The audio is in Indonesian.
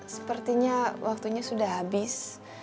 sepertinya waktunya sudah habis